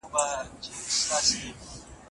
ملکیت د ژوند یوه اساسي اړتیا ده.